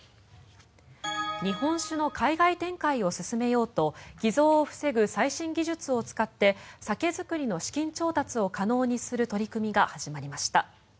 日本酒の海外展開を進めようと偽造を防ぐ最新技術を使って酒造りの資金調達を可能にする取り組みが始まりました。